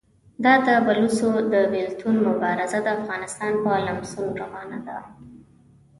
دا د بلوڅو د بېلتون مبارزه د افغانستان په لمسون روانه ده.